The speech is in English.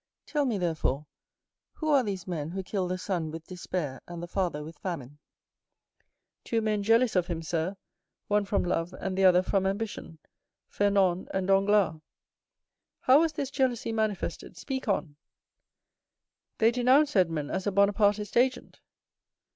Tell me, therefore, who are these men who killed the son with despair, and the father with famine?" "Two men jealous of him, sir; one from love, and the other from ambition,—Fernand and Danglars." "How was this jealousy manifested? Speak on." "They denounced Edmond as a Bonapartist agent."